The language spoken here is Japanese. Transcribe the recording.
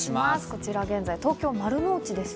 こちら現在、東京・丸の内です。